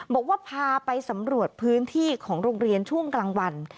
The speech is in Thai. บอกว่าพาไปสำรวจพื้นที่ของโรงเรียนช่วงกลางวัน